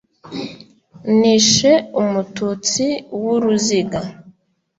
nishe umututsi w'uruziga